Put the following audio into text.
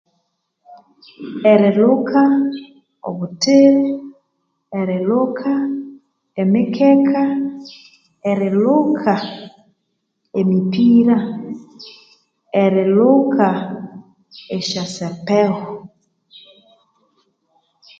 Erilhuka obuthiri erilhuka emikeka erilhuka emipira erilhuka esyasepeho